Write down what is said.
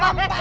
pak pak pak